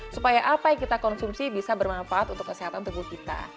supaya apa yang kita konsumsi bisa bermanfaat untuk kesehatan tubuh kita